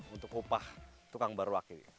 untuk upah tukang baruak ini